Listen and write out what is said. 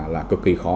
là cực kỳ khó